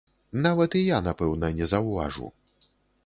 Нават і я, напэўна, не заўважу.